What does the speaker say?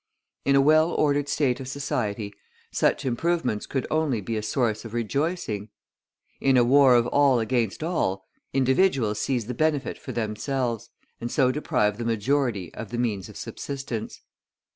In a well ordered state of society, such improvements could only be a source of rejoicing; in a war of all against all, individuals seize the benefit for themselves, and so deprive the majority of the means of subsistence.